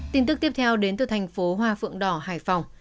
tin tức tiếp theo đến từ thành phố hoa phượng đỏ hải phòng